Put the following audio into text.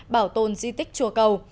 bảo tồn di tích chùa cầu